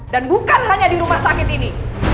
dan bukan hanya di rumah sakit ini